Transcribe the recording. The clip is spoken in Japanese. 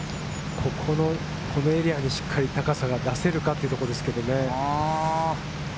このエリアにしっかり高さが出せるかということですけどね。